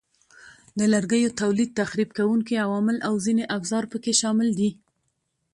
د لرګیو تولید، تخریب کوونکي عوامل او ځینې افزار پکې شامل دي.